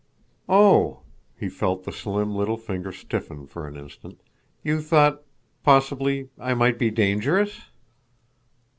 "Oh!" He felt the slim, little figure stiffen for an instant. "You thought—possibly—I might be dangerous?"